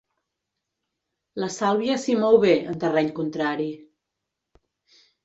La Sàlvia s'hi mou bé, en terreny contrari.